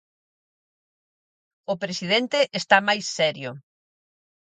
O presidente está máis serio.